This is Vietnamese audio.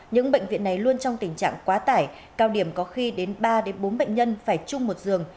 những bệnh viện này luôn trong tình trạng quá tải cao điểm có khi đến ba bốn bệnh nhân phải chung một giường